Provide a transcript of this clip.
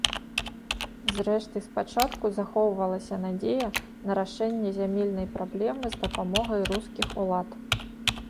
Зрэшты спачатку захоўвалася надзея на рашэнне зямельнай праблемы з дапамогай рускіх улад.